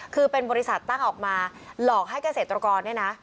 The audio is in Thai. คือเป็นบริษัทตั้งออกมาหลอกให้เกษตรกรเนี่ยนะ